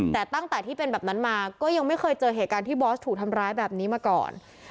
แต่ตั้งแต่ที่เป็นแบบนั้นมาก็ยังไม่เคยเจอเหตุการณ์ที่บอสถูกทำร้ายแบบนี้มาก่อน